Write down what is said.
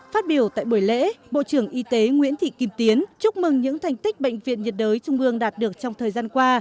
phát biểu tại buổi lễ bộ trưởng y tế nguyễn thị kim tiến chúc mừng những thành tích bệnh viện nhiệt đới trung ương đạt được trong thời gian qua